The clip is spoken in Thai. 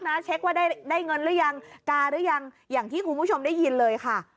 นะเช็คว่าได้เงินหรือยังกาหรือยังอย่างที่คุณผู้ชมได้ยินเลยค่ะ